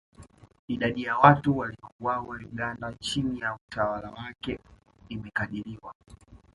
Idadi ya watu waliouawa Uganda chini ya utawala wake imekadiriwa